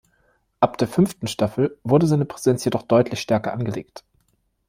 Ab der fünften Staffel wurde seine Präsenz jedoch deutlich stärker angelegt.